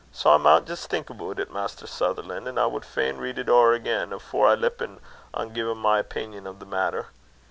Sae I maun jist think aboot it, Mr. Sutherlan'; an' I wad fain read it ower again, afore I lippen on giein' my opingan on the maitter.